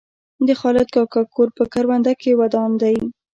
د خالد کاکا کور په کرونده کې ودان دی.